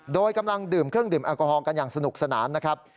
โดยกำลังดื่มเครื่องดื่มแอลกอฮอลกันอย่างสนุกสนานนะครับ